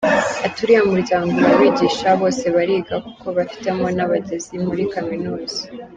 Ati “Uriya muryango urabigisha, bose bariga kuko bafitemo n’abageze muri Kaminuza.